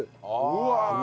うわ！